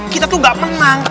kita tuh gak menang